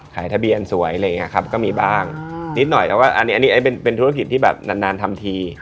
ขายทะเบียนสวยอะไรอย่างนี้ครับก็มีบ้างนิดหน่อยแต่ว่าอันนี้เป็นธุรกิจที่แบบนานทำที